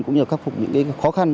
cũng như khắc phục những khó khăn